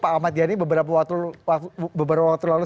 pak ahmad yani beberapa waktu lalu